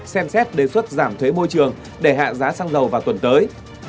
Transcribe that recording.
xem xét đề xuất giảm thuế môi trường để hạ giá xăng dầu vào tuần tới